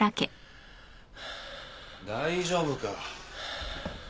大丈夫か？